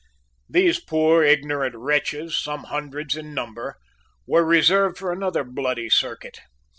These poor ignorant wretches, some hundreds in number, were reserved for another bloody circuit.